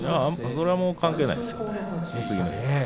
それは関係ないですよ。